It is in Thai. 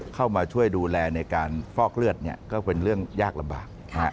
เข้ามาช่วยดูแลในการฟอกเลือดก็เป็นเรื่องยากลำบาก